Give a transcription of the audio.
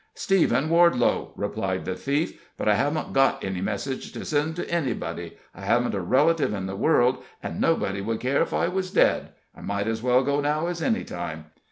"Stephen Wardelow," replied the thief. "But I haven't got any messages to send to anybody. I haven't a relative in the world, and nobody would care if I was dead. I might as well go now as any time.